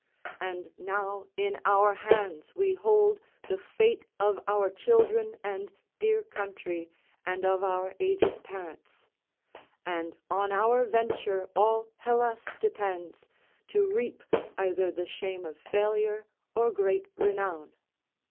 And now in our hands we hold the fate of our children and dear country and of our aged parents; and on our venture all Hellas depends, to reap either the shame of failure or great renown."